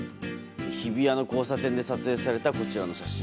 日比谷の交差点で撮影されたこちらの写真。